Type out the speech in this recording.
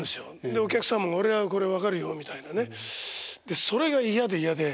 でお客さんも「俺はこれ分かるよ」みたいなね。それが嫌で嫌で。